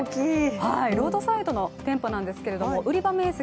ロードサイドの店舗なんですけれども売り場面積